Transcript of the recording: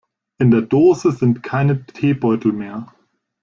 In der Dose sind keine Teebeutel mehr.